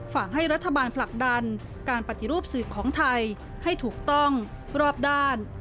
ฝากให้รัฐบาลผลักดันการปฏิรูปสื่อของไทยให้ถูกต้องรอบด้าน